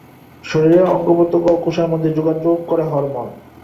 শরীরের অঙ্গ প্রত্যঙ্গ ও কোষের মধ্যে যোগাযোগ করে হরমোন।